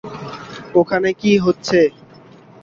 ওখানে কী হচ্ছে?